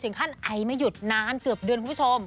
ขั้นไอไม่หยุดนานเกือบเดือนคุณผู้ชม